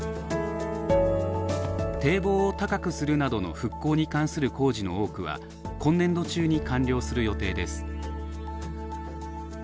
堤防を高くするなどの復興に関する工事の多くは今年度中に完了する予定です。